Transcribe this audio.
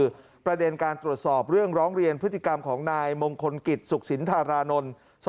คือประเด็นการตรวจสอบเรื่องร้องเรียนพฤติกรรมของนายมงคลกิจสุขสินธารานนท์